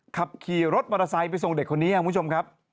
ขับขี่รถมอเตอร์ไซค์ไปส่งเด็กคนนี้ครับคุณผู้ชมครับ